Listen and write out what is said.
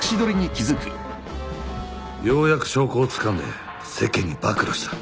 ようやく証拠をつかんで世間に暴露した。